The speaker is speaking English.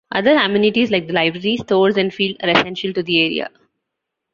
Other amenities like the library, stores and field are essential to the area.